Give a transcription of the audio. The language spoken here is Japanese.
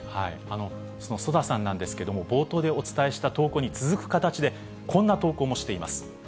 そのソダさんなんですけども、冒頭でお伝えした投稿に続く形で、こんな投稿もしています。